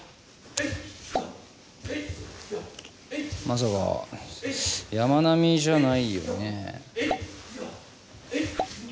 まさか山南じゃないよねえ？